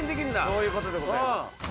そういう事でございます。